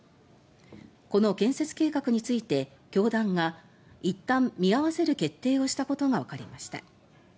この建設計画について教団がいったん見合わせる決定をしたことがわかりました。